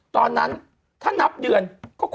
ตอนนั้นถ้านับเดือน